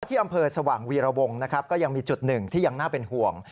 ที่อำเภอสว่างวีรวงนะครับก็ยังมีจุดหนึ่งที่ยังน่าเป็นห่วง